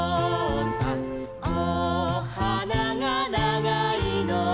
おはながながいのね」